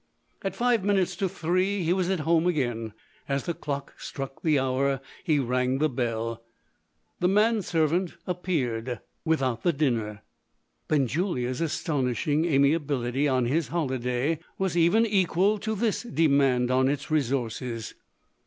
At five minutes to three, he was at home again. As the clock struck the hour, he rang the bell. The man servant appeared, without the dinner. Benjulia's astonishing amiability on his holiday was even equal to this demand on its resources.